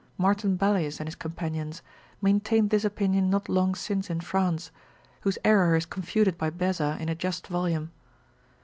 Martin Ballius and his companions, maintained this opinion not long since in France, whose error is confuted by Beza in a just volume.